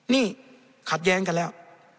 นี่ขัดแย้งกันแล้ว